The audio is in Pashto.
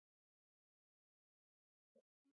افغانستان له کوچیان ډک دی.